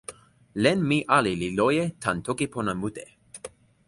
len mi ali li loje tan toki pona mute.